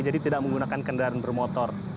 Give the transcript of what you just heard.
jadi tidak menggunakan kendaraan bermotor